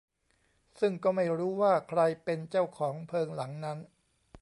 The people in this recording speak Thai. ซึ่งก็ไม่รู้ว่าใครเป็นเจ้าของเพิงหลังนั้น